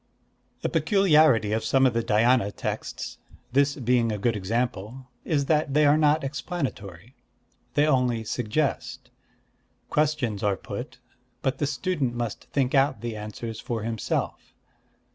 A peculiarity of some of the Dhyâna texts, this being a good example, is that they are not explanatory. They only suggest. Questions are put; but the student must think out the answers for himself.